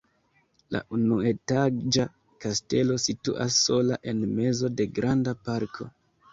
La unuetaĝa kastelo situas sola en mezo de granda parko.